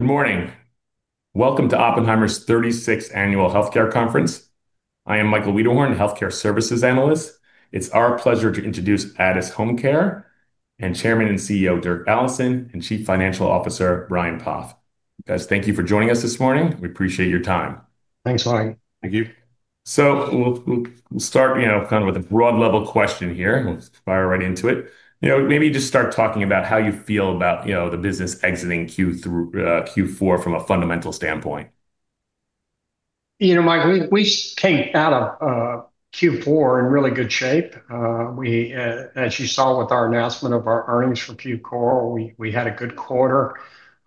Good morning. Welcome to Oppenheimer's 36th Annual Healthcare Conference. I am Michael Wiederhorn, Healthcare Services Analyst. It's our pleasure to introduce Addus HomeCare and Chairman and CEO, Dirk Allison, and Chief Financial Officer, Brian Poff. Guys, thank you for joining us this morning. We appreciate your time. Thanks, Mike. Thank you. We'll start, you know, kind of with a broad level question here. We'll fire right into it. You know, maybe just start talking about how you feel about, you know, the business exiting Q4 from a fundamental standpoint. You know, Mike, we came out of Q4 in really good shape. As you saw with our announcement of our earnings for Q4, we had a good quarter.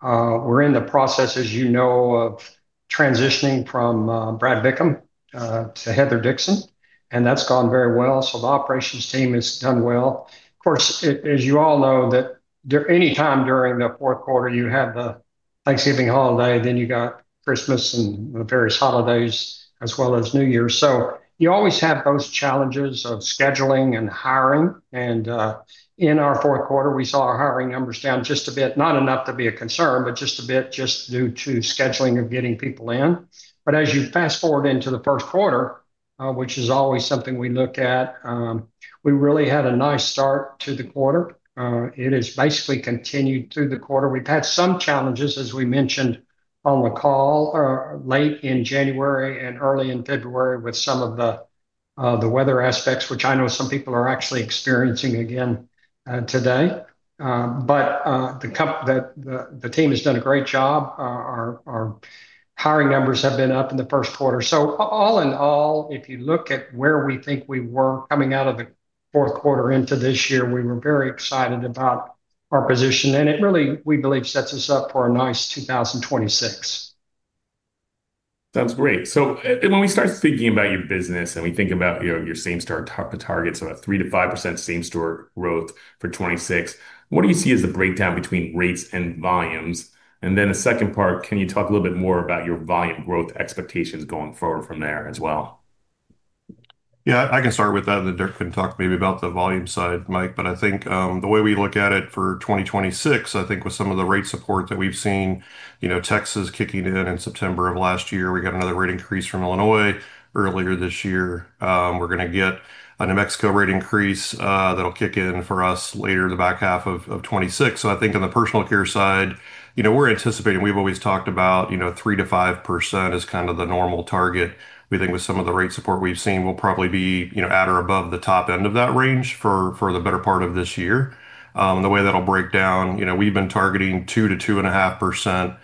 We're in the process, as you know, of transitioning from Brad Bickham to Heather Dixon, and that's gone very well. The operations team has done well. Of course, as you all know, any time during the fourth quarter, you have the Thanksgiving holiday, then you got Christmas and the various holidays, as well as New Year's. You always have those challenges of scheduling and hiring. In our fourth quarter, we saw our hiring numbers down just a bit, not enough to be a concern, but just a bit due to scheduling of getting people in. As you fast-forward into the first quarter, which is always something we look at, we really had a nice start to the quarter. It has basically continued through the quarter. We've had some challenges, as we mentioned on the call, late in January and early in February with some of the weather aspects, which I know some people are actually experiencing again today. The team has done a great job. Our hiring numbers have been up in the first quarter. All in all, if you look at where we think we were coming out of the fourth quarter into this year, we were very excited about our position. It really, we believe, sets us up for a nice 2026. That's great. When we start thinking about your business and we think about, you know, your same-store targets of a 3%-5% same-store growth for 2026, what do you see as the breakdown between rates and volumes? The second part, can you talk a little bit more about your volume growth expectations going forward from there as well? Yeah, I can start with that, and then Dirk can talk maybe about the volume side, Mike. I think the way we look at it for 2026, I think with some of the rate support that we've seen, you know, Texas kicking in in September of last year, we got another rate increase from Illinois earlier this year. We're gonna get a New Mexico rate increase, that'll kick in for us later in the back-half of 2026. I think on the Personal Care side, you know, we're anticipating, we've always talked about, you know, 3%-5% as kind of the normal target. We think with some of the rate support we've seen, we'll probably be, you know, at or above the top end of that range for the better part of this year. The way that'll break down, you know, we've been targeting 2%-2.5%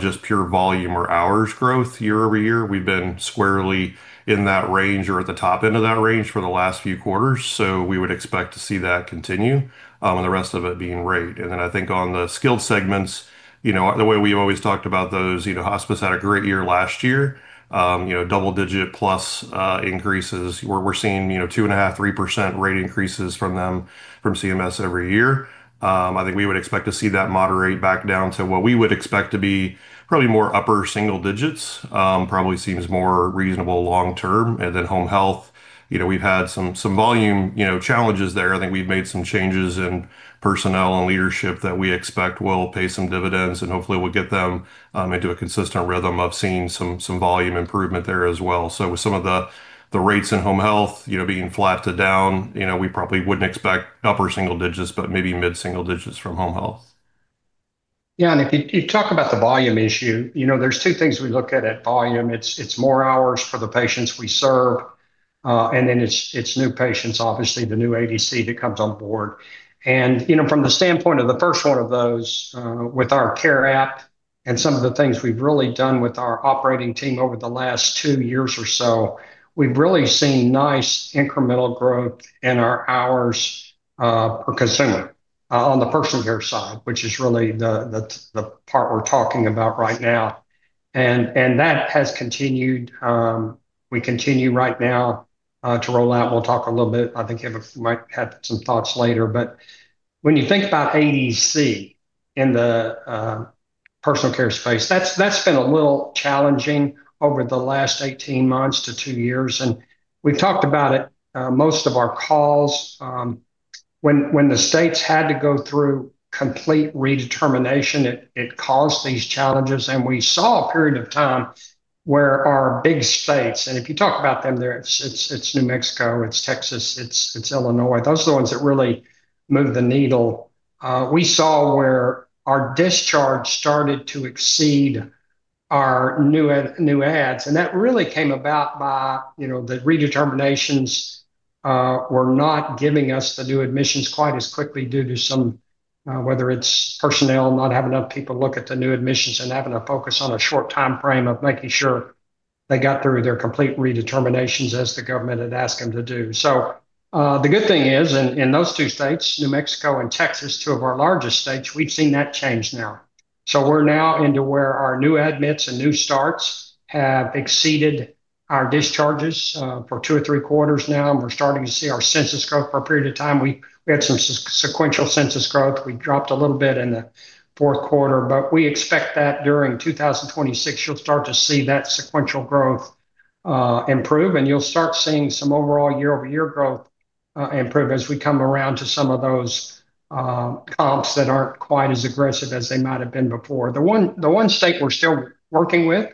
just pure volume or hours growth year-over-year. We've been squarely in that range or at the top end of that range for the last few quarters. We would expect to see that to continue, and the rest of it being rate. Then I think on the skilled segments, you know, the way we've always talked about those, you know, hospice had a great year last year. You know, double-digit plus increases, where we're seeing, you know, 2.5%-3% rate increases from them from CMS every year. I think we would expect to see that moderate back down to what we would expect to be probably more upper single digits, probably seems more reasonable long term. Then Home Health, you know, we've had some volume, you know, challenges there. I think we've made some changes in personnel and leadership that we expect will pay some dividends, and hopefully will get them into a consistent rhythm of seeing some volume improvement there as well. With some of the rates in Home Health, you know, being flat to down, you know, we probably wouldn't expect upper single digits, but maybe mid-single digits from Home Health. Yeah. If you talk about the volume issue, you know, there's two things we look at at volume. It's more hours for the patients we serve, and then it's new patients, obviously, the new ADC that comes on board. You know, from the standpoint of the first one of those, with our care app and some of the things we've really done with our operating team over the last two years or so, we've really seen nice incremental growth in our hours per consumer on the Personal Care side, which is really the part we're talking about right now. That has continued. We continue right now to roll out. We'll talk a little bit. I think Evan might have some thoughts later. When you think about ADC in the Personal Care space, that's been a little challenging over the last 18 months to two years, and we've talked about it most of our calls. When the states had to go through complete redetermination, it caused these challenges, and we saw a period of time where our big states, and if you talk about them there, it's New Mexico, it's Texas, it's Illinois. Those are the ones that really move the needle. We saw where our discharge started to exceed our new adds, and that really came about by, you know, the redeterminations were not giving us the new admissions quite as quickly due to some whether it's personnel not having enough people look at the new admissions and having to focus on a short timeframe of making sure they got through their complete redeterminations as the government had asked them to do. The good thing is in those two states, New Mexico and Texas, two of our largest states, we've seen that change now. We're now into where our new admits and new starts have exceeded our discharges for two or three quarters now, and we're starting to see our census growth for a period of time. We had some sequential census growth. We dropped a little bit in the fourth quarter, but we expect that during 2026, you'll start to see that sequential growth improve, and you'll start seeing some overall year-over-year growth improve as we come around to some of those comps that aren't quite as aggressive as they might have been before. The one state we're still working with,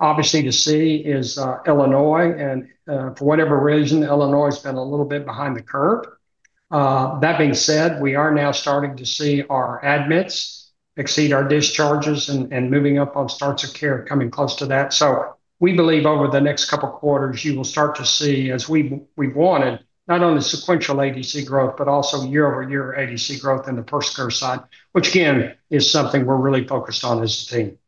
obviously to see, is Illinois. For whatever reason, Illinois has been a little bit behind the curve. That being said, we are now starting to see our admits exceed our discharges and moving up on starts of care coming close to that. We believe over the next couple of quarters, you will start to see, as we wanted, not only sequential ADC growth but also year-over-year ADC growth in the Personal Care side, which again, is something we're really focused on as a team.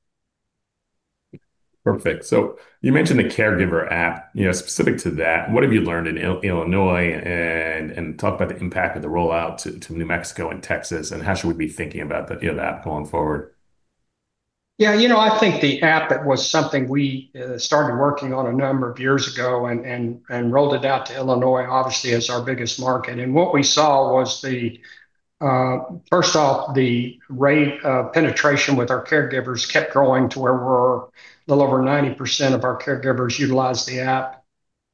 Perfect. You mentioned the caregiver app. You know, specific to that, what have you learned in Illinois and talk about the impact of the rollout to New Mexico and Texas, and how should we be thinking about the, you know, the app going forward? Yeah. You know, I think the app, it was something we started working on a number of years ago and rolled it out to Illinois, obviously, as our biggest market. What we saw was the, first off, the rate of penetration with our caregivers kept growing to where we're a little over 90% of our caregivers, utilize the app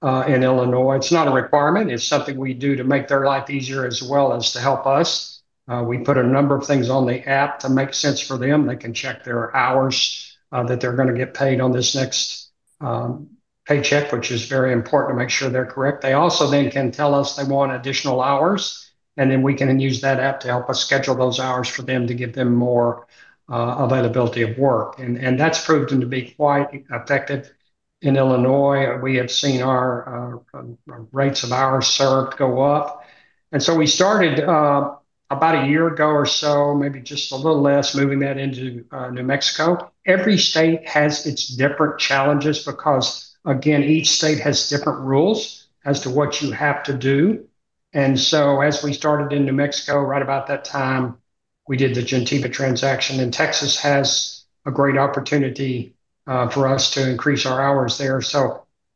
in Illinois. It's not a requirement. It's something we do to make their life easier as well as to help us. We put a number of things on the app to make sense for them. They can check their hours that they're gonna get paid on this next paycheck, which is very important to make sure they're correct. They also then can tell us they want additional hours, and then we can use that app to help us schedule those hours for them to give them more availability of work. That's proven to be quite effective in Illinois. We have seen our rates of hours served go up. We started about a year ago or so, maybe just a little less, moving that into New Mexico. Every state has its different challenges because, again, each state has different rules as to what you have to do. As we started in New Mexico, right about that time, we did the Gentiva transaction, and Texas has a great opportunity for us to increase our hours there.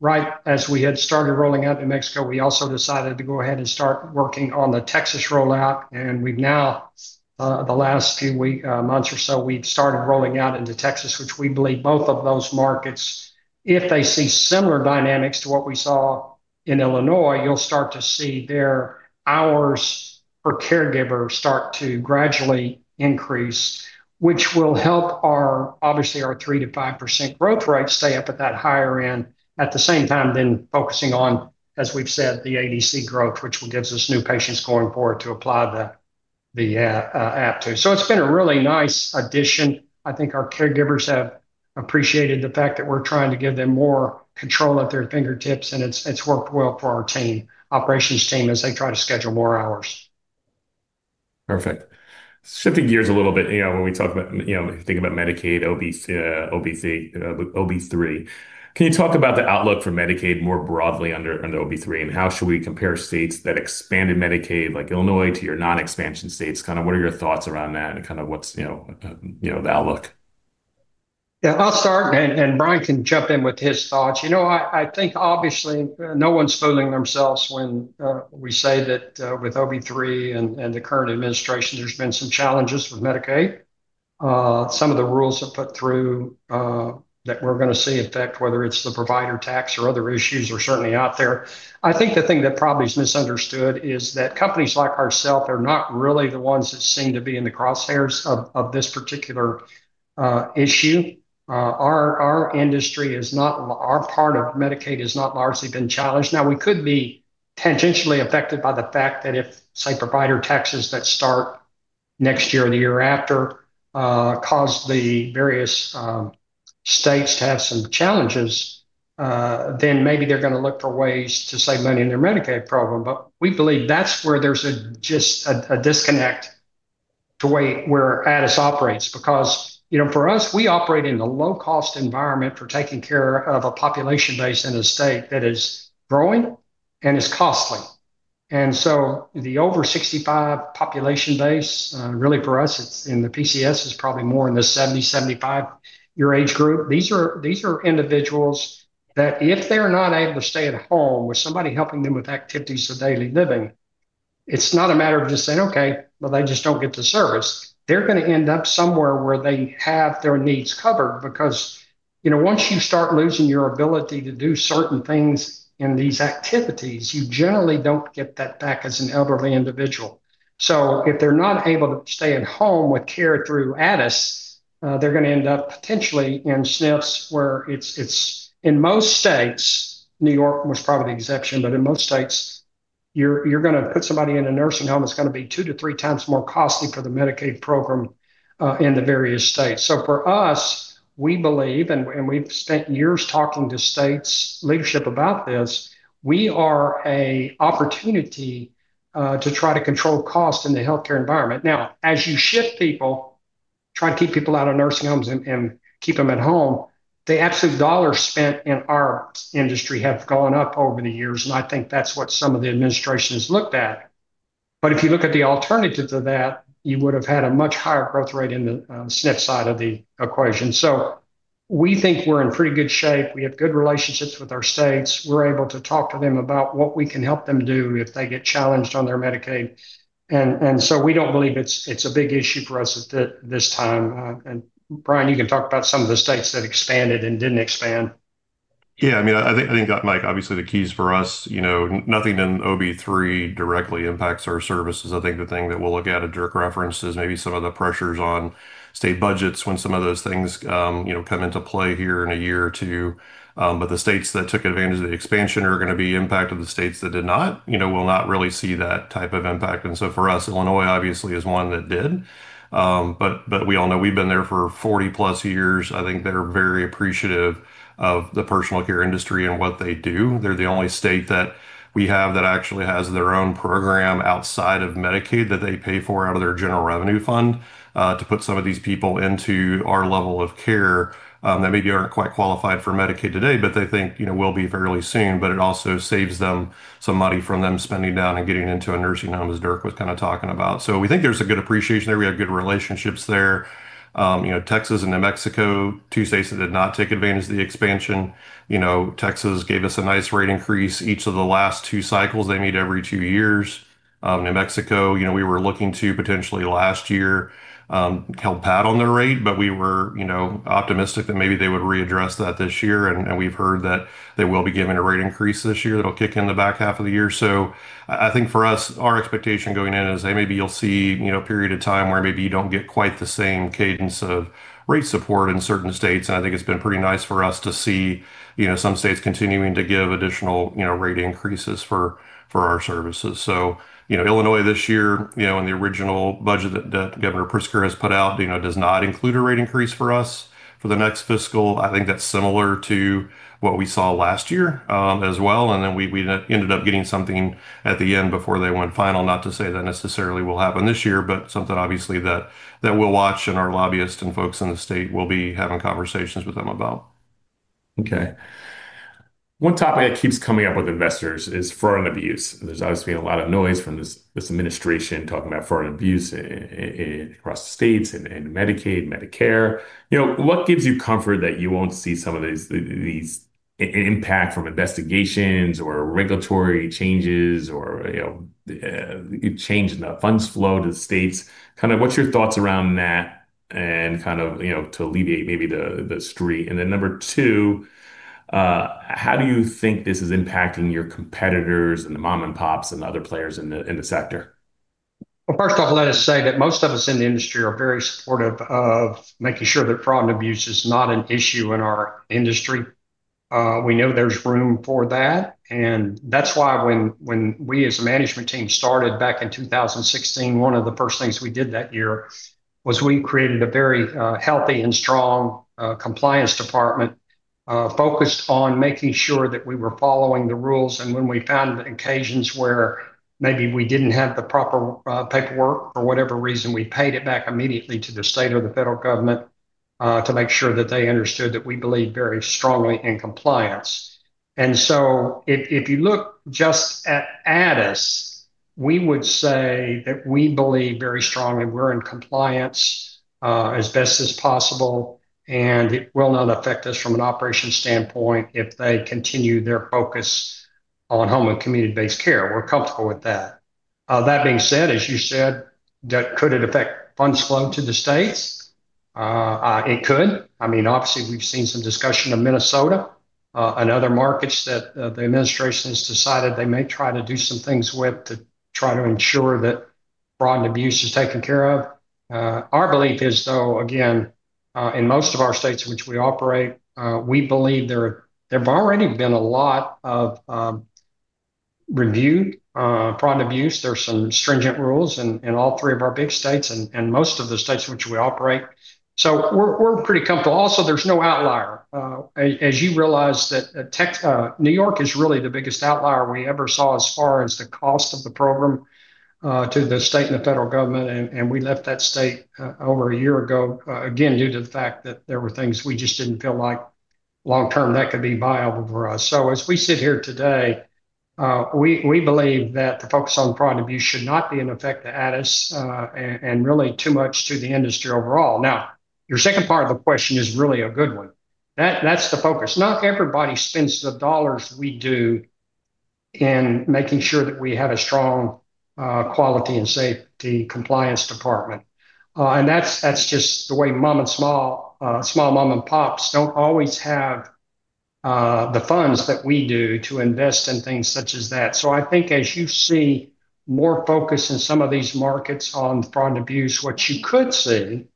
Right as we had started rolling out New Mexico, we also decided to go ahead and start working on the Texas rollout, and we've now, the last few months or so, we've started rolling out into Texas, which we believe both of those markets, if they see similar dynamics to what we saw in Illinois, you'll start to see their hours per caregiver start to gradually increase, which will help our, obviously, our 3%-5% growth rate stay up at that higher end. At the same time, focusing on, as we've said, the ADC growth, which gives us new patients going forward to apply the app to. It's been a really nice addition. I think our caregivers have appreciated the fact that we're trying to give them more control at their fingertips, and it's worked well for our team, operations team, as they try to schedule more hours. Perfect. Shifting gears a little bit, you know, when we talk about, you know, think about Medicaid, OB3. Can you talk about the outlook for Medicaid more broadly under OB3? And how should we compare states that expanded Medicaid, like Illinois, to your non-expansion states? Kinda what are your thoughts around that and kinda what's, you know, the outlook? Yeah. I'll start, and Brian can jump in with his thoughts. You know, I think, obviously, no one's fooling themselves when we say that with OB3 and the current administration, there's been some challenges with Medicaid. Some of the rules they've put through that we're gonna see affect, whether it's the provider tax or other issues, are certainly out there. I think the thing that probably is misunderstood is that companies like ourselves are not really the ones that seem to be in the crosshairs of this particular issue. Our industry is not, our part of Medicaid has not largely been challenged. We could be tangentially affected by the fact that if, say, provider taxes that start next year or the year after cause the various states to have some challenges, then maybe they're gonna look for ways to save money in their Medicaid program. We believe that's where there's just a disconnect to where Addus operates because, you know, for us, we operate in a low-cost environment for taking care of a population base in a state that is growing and is costly. The over 65 population base really for us, it's in the PCS, it's probably more in the 70–75 year age group. These are individuals that if they're not able to stay at home with somebody helping them with activities of daily living, it's not a matter of just saying, "Okay, well, they just don't get the service." They're gonna end up somewhere where they have their needs covered because, you know, once you start losing your ability to do certain things in these activities, you generally, don't get that back as an elderly individual. If they're not able to stay at home with care through Addus, they're gonna end up potentially in SNFs, where it's in most states, New York was probably the exception, but in most states, you're gonna put somebody in a nursing home that's gonna be 2x-3x more costly for the Medicaid program, in the various states. For us, we believe, and we've spent years talking to state's leadership about this, we are an opportunity to try to control costs in the healthcare environment. Now, as you shift people, try and keep people out of nursing homes and keep them at home, the absolute dollars spent in our industry have gone up over the years, and I think that's what some of the administration has looked at. If you look at the alternative to that, you would have had a much higher growth rate in the SNF side of the equation. We think we're in pretty good shape. We have good relationships with our states. We're able to talk to them about what we can help them do if they get challenged on their Medicaid. We don't believe it's a big issue for us at this time. Brian, you can talk about some of the states that expanded and didn't expand. Yeah, I mean, I think that, Mike, obviously, the keys for us, you know, nothing in OB3 directly impacts our services. I think the thing that we'll look at, as Dirk referenced, is maybe some of the pressures on state budgets when some of those things, you know, come into play here in a year or two. The states that took advantage of the expansion are gonna be impacted. The states that did not, you know, will not really see that type of impact. For us, Illinois, obviously is one that did. We all know we've been there for 40+ years. I think they're very appreciative of the Personal Care industry and what they do. They're the only state that we have that actually has their own program outside of Medicaid that they pay for out of their general revenue fund to put some of these people into our level of care that maybe aren't quite qualified for Medicaid today, but they think, you know, will be fairly soon. It also saves them some money from them spending down and getting into a nursing home, as Dirk was kind of talking about. We think there's a good appreciation there. We have good relationships there. You know, Texas and New Mexico, two states that did not take advantage of the expansion. You know, Texas gave us a nice rate increase each of the last two cycles. They meet every two years. New Mexico, you know, we were looking to potentially last year hope to add on the rate, but we were, you know, optimistic that maybe they would readdress that this year. We've heard that they will be giving a rate increase this year that'll kick in the back half of the year. I think for us, our expectation going in is that maybe you'll see, you know, a period of time where maybe you don't get quite the same cadence of rate support in certain states. I think it's been pretty nice for us to see, you know, some states continuing to give additional, you know, rate increases for our services. Illinois this year, you know, in the original budget that Governor Pritzker has put out, you know, does not include a rate increase for us for the next fiscal. I think that's similar to what we saw last year, as well. We ended up getting something at the end before they went final. Not to say that necessarily will happen this year, but something obviously that we'll watch and our lobbyists and folks in the state will be having conversations with them about. Okay. One topic that keeps coming up with investors is fraud and abuse. There's obviously been a lot of noise from this administration talking about fraud and abuse across the states and Medicaid, Medicare. You know, what gives you comfort that you won't see some of these impact from investigations or regulatory changes or, you know, change in the funds flow to the states? Kind of what's your thoughts around that and kind of, you know, to alleviate maybe the street? Then number two, how do you think this is impacting your competitors and the mom-and-pops and other players in the sector? Well, first off, let us say that most of us in the industry are very supportive of making sure that fraud and abuse is not an issue in our industry. We know there's room for that, and that's why when we as a management team started back in 2016, one of the first things we did that year was we created a very healthy and strong compliance department focused on making sure that we were following the rules. When we found occasions where maybe we didn't have the proper paperwork for whatever reason, we paid it back immediately to the state or the federal government to make sure that they understood that we believe very strongly in compliance. If you look just at Addus, we would say that we believe very strongly we're in compliance, as best as possible, and it will not affect us from an operations standpoint if they continue their focus on home and community-based care. We're comfortable with that. That being said, as you said, could it affect funds flow to the states? It could. I mean, obviously we've seen some discussion of Minnesota, and other markets that the administration has decided they may try to do some things with to try to ensure that fraud and abuse is taken care of. Our belief is, though, again, in most of our states in which we operate, we believe there have already been a lot of reviewed fraud and abuse. There's some stringent rules in all three of our big states and most of the states in which we operate, so we're pretty comfortable. Also, there's no outlier. As you realize that, New York is really the biggest outlier we ever saw as far as the cost of the program to the state and the federal government, and we left that state over a year ago, again, due to the fact that there were things we just didn't feel like long term that could be viable for us. So as we sit here today, we believe that the focus on fraud and abuse should not be an effect to Addus, and really too much to the industry overall. Now, your second part of the question is really a good one. That's the focus. Not everybody spends the dollars we do in making sure that we have a strong, quality and safety compliance department. That's just the way small mom-and-pops don't always have the funds that we do to invest in things such as that. I think as you see more focus in some of these markets on fraud and abuse, what you could see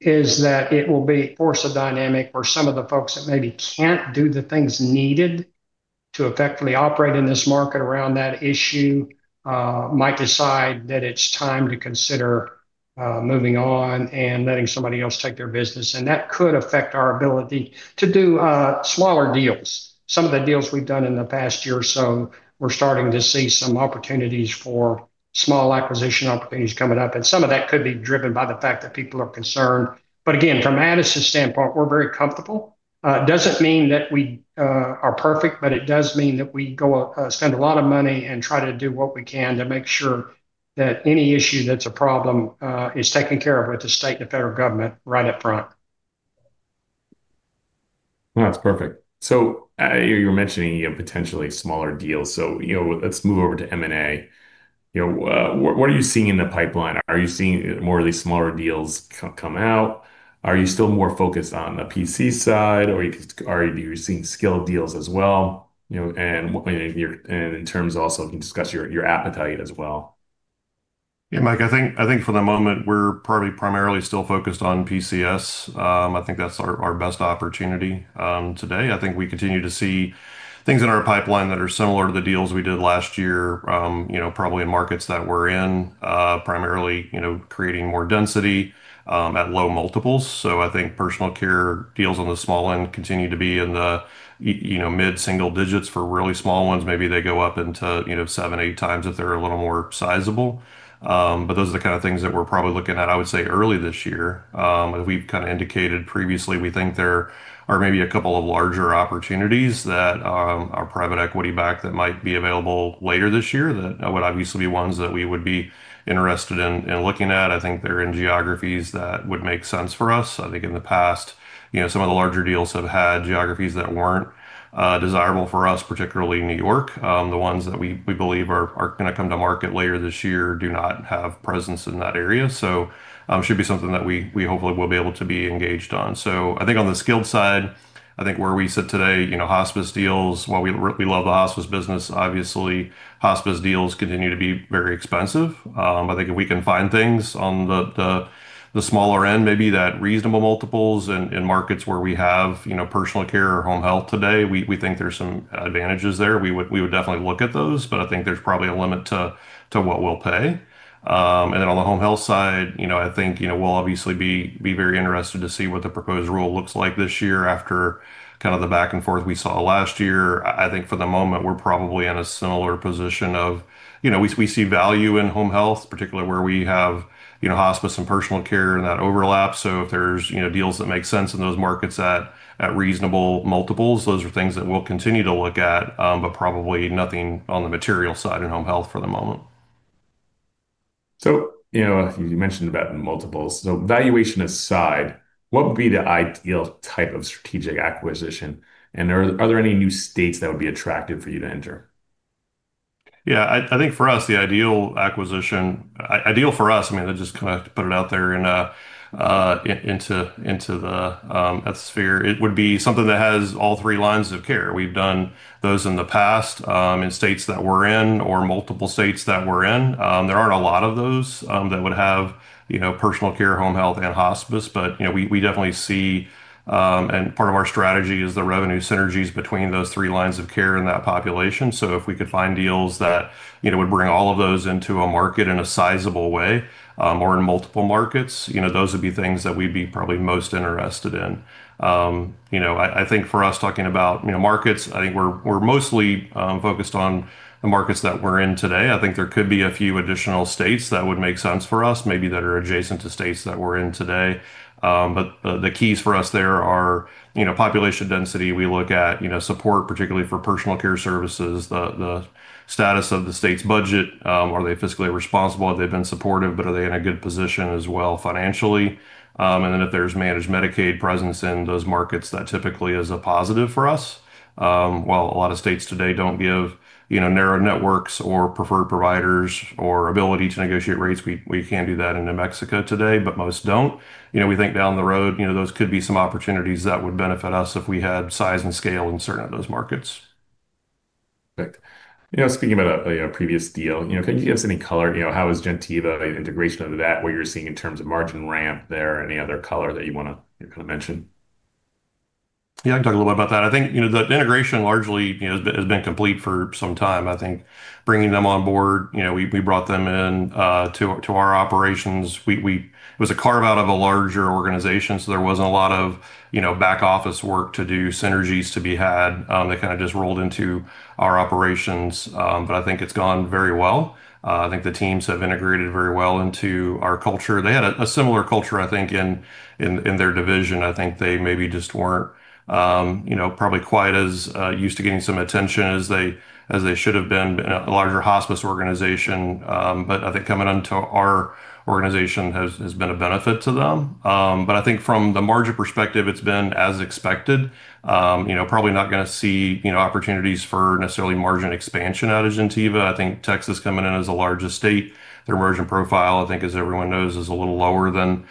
is that it will be, of course, a dynamic where some of the folks that maybe can't do the things needed to effectively operate in this market around that issue might decide that it's time to consider moving on and letting somebody else take their business. That could affect our ability to do smaller deals. Some of the deals we've done in the past year or so, we're starting to see some opportunities for small acquisition opportunities coming up, and some of that could be driven by the fact that people are concerned. Again, from Addus' standpoint, we're very comfortable. It doesn't mean that we are perfect, but it does mean that we go spend a lot of money and try to do what we can to make sure that any issue that's a problem is taken care of with the state and federal government right up front. No, that's perfect. You were mentioning you have potentially smaller deals. You know, let's move over to M&A. You know, what are you seeing in the pipeline? Are you seeing more of these smaller deals come out? Are you still more focused on the PCS side, or are you seeing skilled deals as well? You know, in terms also, if you can discuss your appetite as well. Yeah, Mike, I think for the moment, we're probably primarily still focused on PCS. I think that's our best opportunity today. I think we continue to see things in our pipeline that are similar to the deals we did last year, you know, probably in markets that we're in, primarily, you know, creating more density at low multiples. I think Personal Care deals on the small end continue to be in the, you know, mid-single digits for really small ones. Maybe they go up into, you know, 7x-8x if they're a little more sizable. But those are the kinda things that we're probably looking at, I would say, early this year. As we've kinda indicated previously, we think there are maybe a couple of larger opportunities that are private equity backed that might be available later this year that would obviously be ones that we would be interested in looking at. I think they're in geographies that would make sense for us. I think in the past, you know, some of the larger deals have had geographies that weren't desirable for us, particularly New York. The ones that we believe are gonna come to market later this year do not have presence in that area, so should be something that we hopefully will be able to be engaged on. I think on the skilled side, I think where we sit today, you know, hospice deals, while we love the hospice business, obviously, hospice deals continue to be very expensive. I think if we can find things on the smaller end, maybe at reasonable multiples in markets where we have, you know, Personal Care or Home Health today, we think there's some advantages there. We would definitely look at those, but I think there's probably a limit to what we'll pay. On the Home Health side, you know, I think, you know, we'll obviously be very interested to see what the proposed rule looks like this year after kinda the back and forth we saw last year. I think for the moment, we're probably in a similar position of, you know, we see value in Home Health, particularly where we have, you know, hospice and Personal Care and that overlap. If there's, you know, deals that make sense in those markets at reasonable multiples, those are things that we'll continue to look at, but probably nothing on the material side in Home Health for the moment. You know, you mentioned about multiples. Valuation aside, what would be the ideal type of strategic acquisition? Are there any new states that would be attractive for you to enter? Yeah. I think for us, the ideal acquisition, ideal for us meant, I just kinda have to put it out there into the atmosphere, it would be something that has all three lines of care. We've done those in the past in states that we're in or multiple states that we're in. There aren't a lot of those that would have, you know, Personal Care, Home Health, and hospice. You know, we definitely see, and part of our strategy is the revenue synergies between those three lines of care in that population. If we could find deals that, you know, would bring all of those into a market in a sizable way or in multiple markets, you know, those would be things that we'd be probably most interested in. I think for us talking about, you know, markets, I think we're mostly focused on the markets that we're in today. I think there could be a few additional states that would make sense for us, maybe that are adjacent to states that we're in today. The keys for us there are, you know, population density. We look at, you know, support, particularly for Personal Care services, the status of the state's budget, are they fiscally responsible? Have they been supportive, but are they in a good position as well financially? If there's Managed Medicaid presence in those markets, that typically is a positive for us. While a lot of states today don't give, you know, narrow networks or preferred providers or ability to negotiate rates, we can do that in New Mexico today, but most don't. You know, we think down the road, you know, those could be some opportunities that would benefit us if we had size and scale in certain of those markets. Perfect. You know, speaking about a previous deal, you know, can you give us any color? You know, how is Gentiva integration of that, what you're seeing in terms of margin ramp there? Any other color that you wanna kinda mention? Yeah. I can talk a little bit about that. I think, you know, the integration largely, you know, has been complete for some time. I think bringing them on board, you know, we brought them in to our operations. It was a carve-out of a larger organization, so there wasn't a lot of, you know, back office work to do, synergies to be had. They kinda just rolled into our operations. But I think it's gone very well. I think the teams have integrated very well into our culture. They had a similar culture, I think, in their division. I think they maybe just weren't, you know, probably quite as used to getting some attention as they should have been in a larger hospice organization. I think coming into our organization has been a benefit to them. I think from the margin perspective, it's been as expected. You know, probably not gonna see, you know, opportunities for necessarily margin expansion out of Gentiva. I think Texas coming in as the largest state, their margin profile, I think, as everyone knows, is a little lower than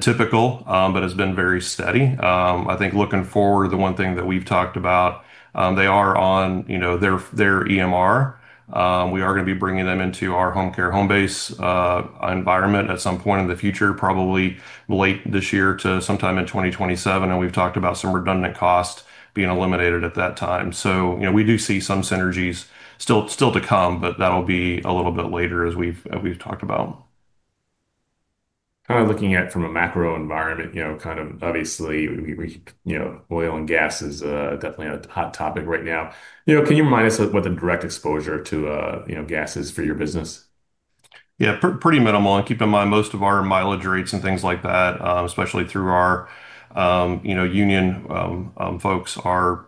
typical, but has been very steady. I think looking forward, the one thing that we've talked about, they are on, you know, their EMR. We are gonna be bringing them into our Homecare Homebase environment at some point in the future, probably late this year to sometime in 2027, and we've talked about some redundant cost being eliminated at that time. You know, we do see some synergies still to come, but that'll be a little bit later as we've talked about. Kind of looking at from a macro environment, you know, kind of obviously, we, you know, oil and gas is definitely a hot topic right now. You know, can you remind us what the direct exposure to, you know, gas is for your business? Yeah. Pretty minimal. Keep in mind, most of our mileage rates and things like that, especially through our, you know, union folks are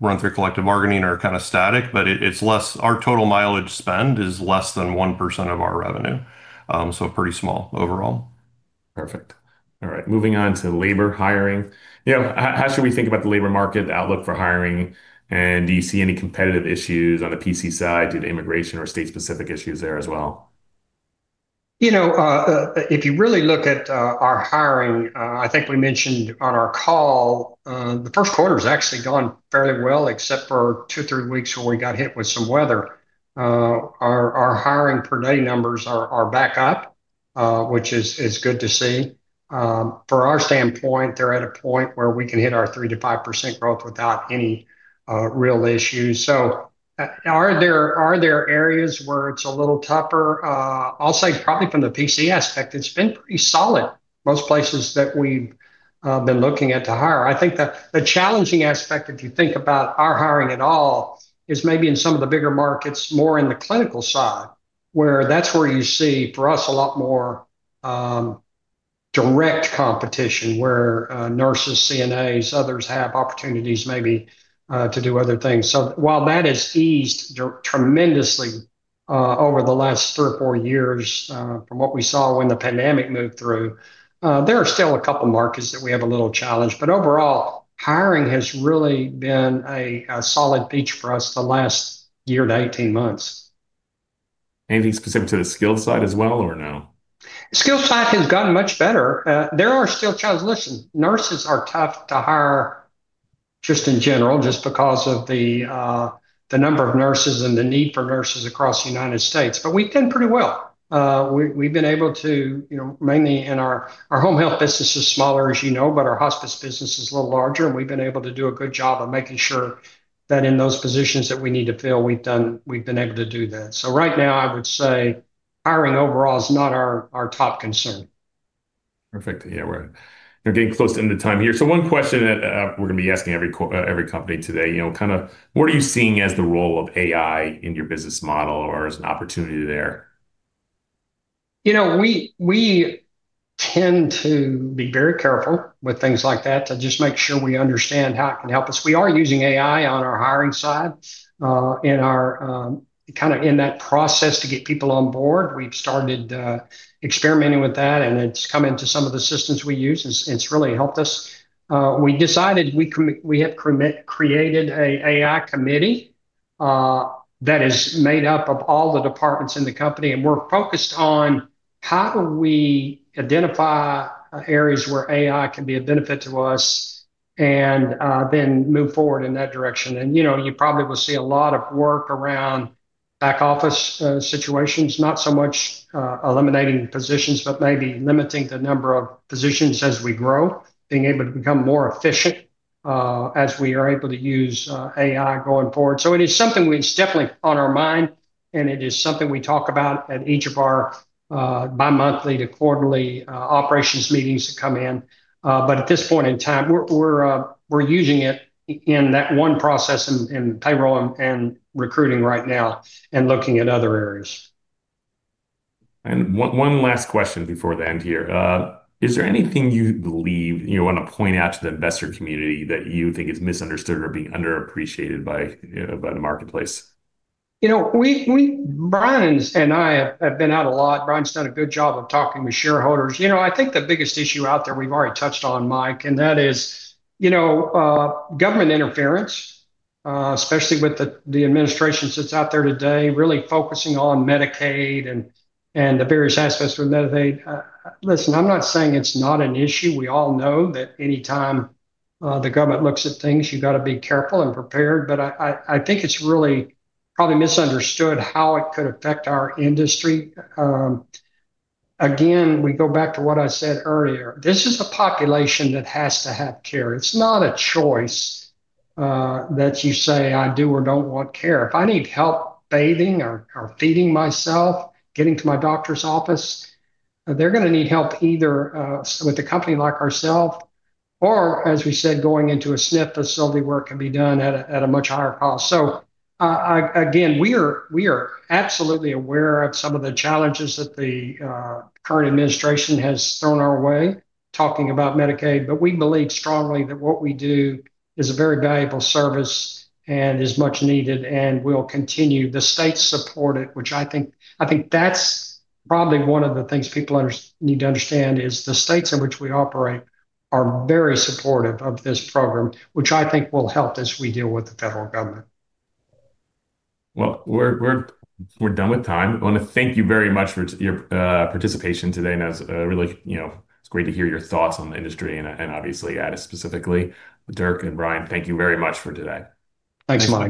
run through collective bargaining are kinda static, but it's less. Our total mileage spend is less than 1% of our revenue. Pretty small overall. Perfect. All right, moving on to labor hiring. You know, how should we think about the labor market outlook for hiring, and do you see any competitive issues on the PC side due to immigration or state specific issues there as well? You know, if you really look at our hiring, I think we mentioned on our call, the first quarter's actually gone fairly well, except for two, three weeks when we got hit with some weather. Our hiring per day numbers are back up, which is good to see. For our standpoint, they're at a point where we can hit our 3%-5% growth without any real issues. Are there areas where it's a little tougher? I'll say probably from the PC aspect, it's been pretty solid, most places that we've been looking at to hire. I think the challenging aspect, if you think about our hiring at all, is maybe in some of the bigger markets, more in the clinical side, where that's where you see for us a lot more direct competition where nurses, CNAs, others have opportunities maybe to do other things. While that has eased tremendously over the last three or four years from what we saw when the pandemic moved through, there are still a couple markets that we have a little challenge. Overall, hiring has really been a solid beachhead for us the last year to 18 months. Anything specific to the skilled side as well or no? Skilled side has gotten much better. There are still challenges. Listen, nurses are tough to hire just in general, just because of the number of nurses and the need for nurses across the United States, but we've done pretty well. We've been able to, you know, mainly in our Home Health business is smaller, as you know, but our hospice business is a little larger, and we've been able to do a good job of making sure that in those positions that we need to fill, we've been able to do that. Right now, I would say hiring overall is not our top concern. Perfect. Yeah, we're getting close to the end of time here. One question that we're gonna be asking every company today, you know, kinda what are you seeing as the role of AI in your business model or as an opportunity there? You know, we tend to be very careful with things like that, to just make sure we understand how it can help us. We are using AI on our hiring side, in our, kinda in that process to get people on board. We've started experimenting with that, and it's come into some of the systems we use, it's really helped us. We have created an AI committee that is made up of all the departments in the company, and we're focused on how do we identify areas where AI can be a benefit to us and then move forward in that direction. You know, you probably will see a lot of work around back office situations, not so much eliminating positions, but maybe limiting the number of positions as we grow, being able to become more efficient as we are able to use AI going forward. It is something which is definitely on our mind, and it is something we talk about at each of our bimonthly to quarterly operations meetings that come in. At this point in time, we're using it in that one process in payroll and recruiting right now and looking at other areas. One last question before the end here. Is there anything you believe you wanna point out to the investor community that you think is misunderstood or being underappreciated by the marketplace? You know, Brian and I have been out a lot. Brian's done a good job of talking to shareholders. You know, I think the biggest issue out there, we've already touched on, Mike, and that is, you know, government interference, especially with the administration that's out there today, really focusing on Medicaid and the various aspects of Medicaid. Listen, I'm not saying it's not an issue. We all know that anytime the government looks at things, you gotta be careful and prepared. But I think it's really probably misunderstood how it could affect our industry. Again, we go back to what I said earlier. This is a population that has to have care. It's not a choice that you say, "I do or don't want care." If I need help bathing or feeding myself, getting to my doctor's office, they're gonna need help either with a company like ourselves or, as we said, going into a SNF facility where it can be done at a much higher cost. Again, we are absolutely aware of some of the challenges that the current administration has thrown our way, talking about Medicaid, but we believe strongly that what we do is a very valuable service and is much needed and will continue. The states support it, which I think that's probably one of the things people need to understand is the states in which we operate are very supportive of this program, which I think will help as we deal with the federal government. Well, we're done with time. I wanna thank you very much for your participation today, and really, you know, it's great to hear your thoughts on the industry and obviously Addus specifically. Dirk and Brian, thank you very much for today. Thanks, Mike.